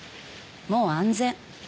もう安全。